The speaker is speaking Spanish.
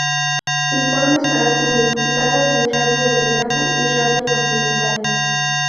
Informes para Julio Lagos en Radio Belgrano y Radio Continental.